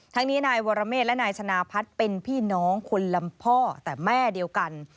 ทั้งนี้นายวรเมฆและนายชนะพัฒน์เป็นพี่น้องคนลำพ่อแต่แม่เดียวกัน